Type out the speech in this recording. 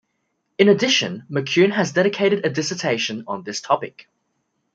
In addition, McCune has dedicated a dissertation on this topic.